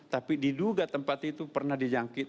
tapi diduga tempat itu pernah dijangkit